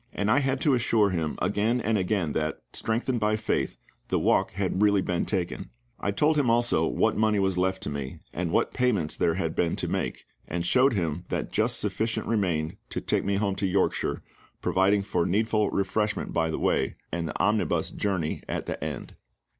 And I had to assure him again and again that, strengthened by faith, the walk had really been taken. I told him also what money was left to me, and what payments there had been to make, and showed him that just sufficient remained to take me home to Yorkshire, providing for needful refreshment by the way and the omnibus journey at the end.